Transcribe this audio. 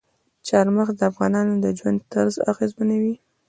چار مغز د افغانانو د ژوند طرز اغېزمنوي.